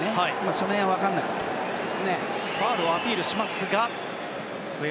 その辺は分からなかったんですが。